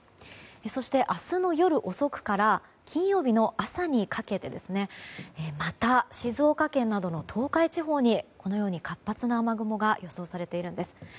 そして、明日の夜遅くから金曜日の朝にかけてまた静岡県などの東海地方に活発な雨雲が予想されているんです。